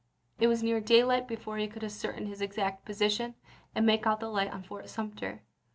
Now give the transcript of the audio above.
It was near daylight before he could ascertain his exact position, and make out the light on Fort Sumter.